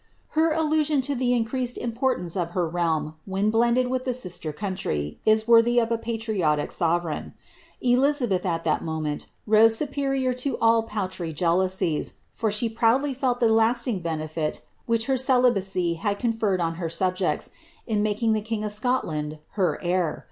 Her allusion to the increased import apce of her reaim, when blended with the sifter country, is worthy of a patriotic sorereign. Elizabeth, at that moment, rose superior to all paltry jealousies, for she proudly felt the lasting benefit which her celi bacy had conferred on her subjects, in making Uie king of Scotland her heir.